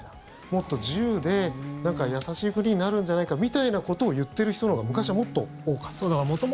もっと自由で優しい国になるんじゃないかみたいなことを言ってる人のほうが昔はもっと多かった。